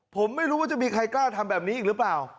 ผมไม่รู้ว่าจะมีใครกล้าทำแบบนี้อีกหรือเปล่า